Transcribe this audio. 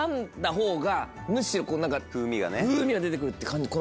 ほうがむしろ風味が出て来るってこの感じ。